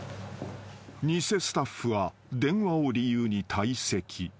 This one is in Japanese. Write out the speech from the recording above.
［偽スタッフは電話を理由に退席］